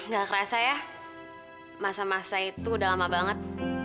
gak kerasa ya masa masa itu udah lama banget